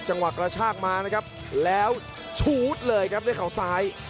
กระชากมานะครับแล้วชูดเลยครับด้วยเขาซ้าย